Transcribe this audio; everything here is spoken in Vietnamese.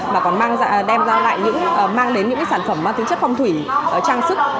mà mang đến những sản phẩm mang tính chất phong thủy trang sức